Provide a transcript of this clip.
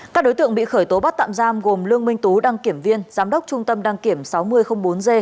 các đối tượng bị khởi tố bắt tạm giam gồm lương minh tú đăng kiểm viên giám đốc trung tâm đăng kiểm sáu mươi bốn g